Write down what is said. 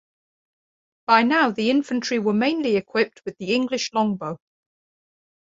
By now the infantry were mainly equipped with the English longbow.